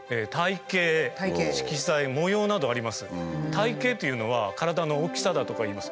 体型というのは体の大きさだとかいいます。